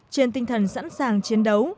trên tinh thần sẵn sàng chiến đấu